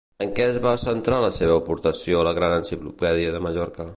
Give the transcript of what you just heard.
En què es va centrar la seva aportació a la Gran Enciclopèdia de Mallorca?